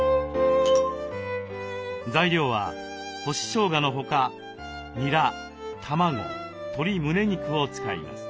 材料は干ししょうがの他にら卵鶏むね肉を使います。